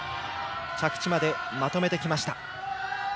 着地までまとめてきました。